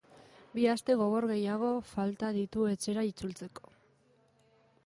Bi aste gogor gehiago falta ditu etxera itzultzeko.